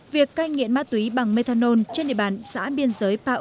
việc cai nghiện ma túy bằng methanol trên địa bàn xã biên giới pao